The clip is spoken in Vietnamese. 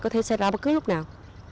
có thể xe ra bất cứ lúc nào